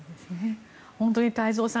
本当に太蔵さん